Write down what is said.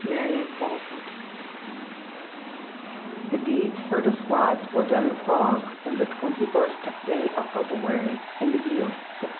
CHAPTER XV[*] [*] The deeds here described were done in Prague on the twenty first day of February in the year 1694.